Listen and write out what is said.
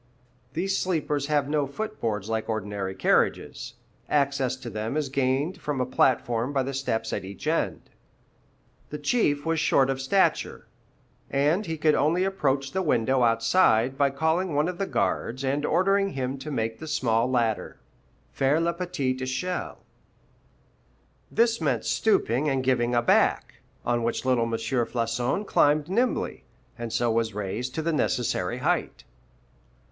These sleepers have no foot boards like ordinary carriages; access to them is gained from a platform by the steps at each end. The Chief was short of stature, and he could only approach the window outside by calling one of the guards and ordering him to make the small ladder (faire la petite echelle). This meant stooping and giving a back, on which little M. Floçon climbed nimbly, and so was raised to the necessary height.